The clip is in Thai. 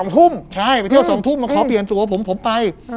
ไปเที่ยวสองทุ่มมาขอเปลี่ยนตัวผมผมไป